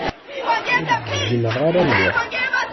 Ur gineɣ ara mliḥ.